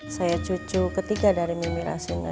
saya cucu ketiga dari mimi rasina